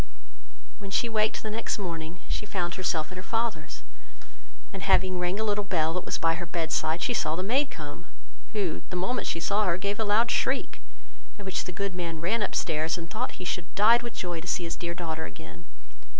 When she waked the next morning, she found herself at her father's, and having rang a little bell, that was by her bed side, she saw the maid come; who, the moment she saw her, gave a loud shriek; at which the good man ran up stairs, and thought he should have died with joy to see his dear daughter again.